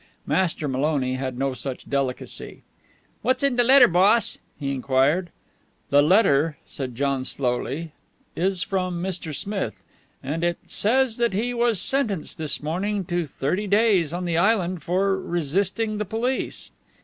Master Maloney had no such delicacy. "What's in de letter, boss?" he enquired. "The letter," said John slowly, "is from Mr. Smith. And it says that he was sentenced this morning to thirty days on the Island for resisting the police."